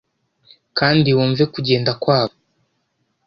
kandi wumve kugenda kwabo